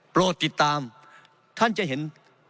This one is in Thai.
โปรดติดตามท่านจะเห็น